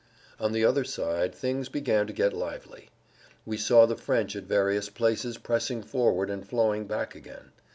On the other side things began to get lively. We saw the French at various places pressing forward and flowing back again.